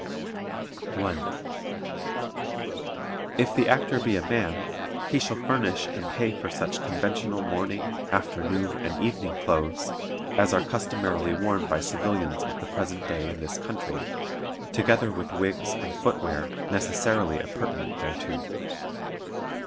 (1) If the Actor be a man, he shall furnish and pay for such conventional morning, afternoon and evening clothes as are customarily worn by civilians of the present day in this country, together with wigs and footwear necessarily appurtenant thereto.